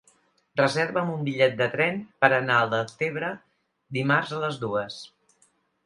Reserva'm un bitllet de tren per anar a Deltebre dimarts a les dues.